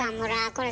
これ